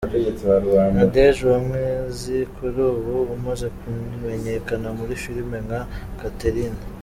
Nadege Uwamwezi kuri ubu umaze kumenyekana muri filime nka Catherine.